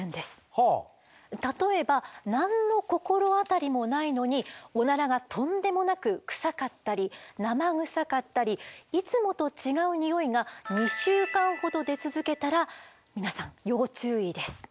例えば何の心当たりもないのにオナラがとんでもなくクサかったり生臭かったりいつもと違うにおいが２週間ほど出続けたら皆さん要注意です。